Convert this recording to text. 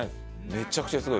めちゃくちゃすごい。